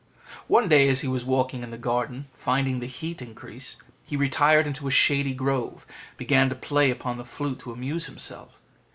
One day as he was walking in the garden, finding the heat increase, he retired into a shady grove, and began to play upon the flute to amuse himself.